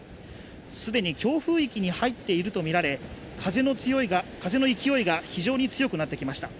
既に強風域に入っているとみられ、風の勢いが非常に強くなってきました。